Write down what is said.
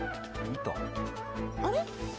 あれ？